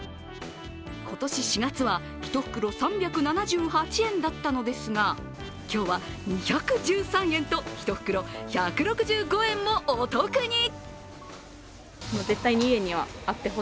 今年４月は１袋３７８円だったのですが今日は２１３円と、１袋１６５円もお得に。